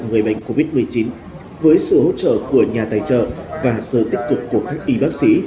người bệnh covid một mươi chín với sự hỗ trợ của nhà tài trợ và sự tích cực của các y bác sĩ